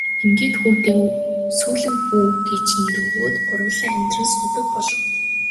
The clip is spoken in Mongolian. Ингээд хүүдээ Сүүлэн хүү гэж нэр өгөөд гурвуулаа амьдран суудаг болов.